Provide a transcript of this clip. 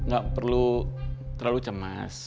gak perlu terlalu cemas